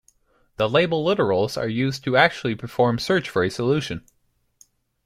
The label literals are used to actually perform search for a solution.